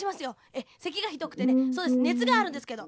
ええせきがひどくてねそうですねつがあるんですけど。